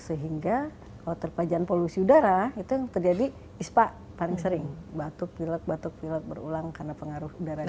sehingga kalau terpajan polusi udara itu yang terjadi ispa paling sering batuk pilek batuk pilek berulang karena pengaruh udara